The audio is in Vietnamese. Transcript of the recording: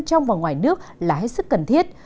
trong và ngoài nước là hết sức cần thiết